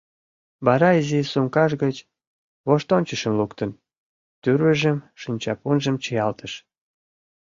Вара, изи сумкаж гыч воштончышым луктын, тӱрвыжым, шинчапунжым чиялтыш.